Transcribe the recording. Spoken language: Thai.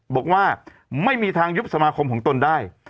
บอกว่าไม่มีทางยุบสมาคมของตนได้